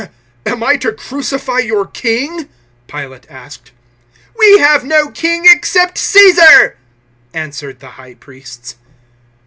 "Am I to crucify your king?" Pilate asked. "We have no king, except Caesar," answered the High Priests.